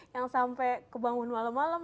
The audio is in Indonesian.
yang sampai kebangun malem malem